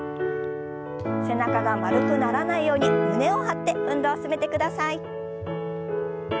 背中が丸くならないように胸を張って運動を進めてください。